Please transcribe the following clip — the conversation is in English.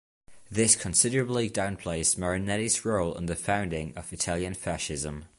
This considerably downplays Marinetti's role in the founding of Italian Fascism.